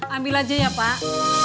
ambil saja ya pak